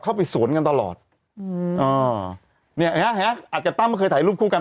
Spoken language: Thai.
เข้าไปสวนกันตลอดอืมอ๋อเนี้ยเนี้ยอัดกับตั้มเคยถ่ายรูปคู่กัน